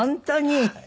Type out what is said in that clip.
はい。